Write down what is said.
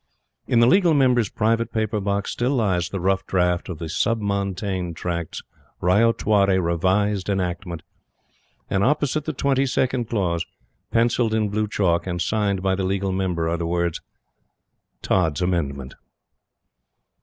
In the Legal Member's private paper box still lies the rough draft of the Sub Montane Tracts Ryotwari Revised Enactment; and, opposite the twenty second clause, pencilled in blue chalk, and signed by the Legal Member, are the words "Tods' Amendment."